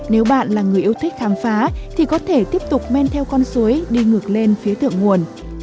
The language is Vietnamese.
nếu bạn là người yêu thích khám phá thì có thể tiếp tục men theo con suối đi ngược lên phía thượng nguồn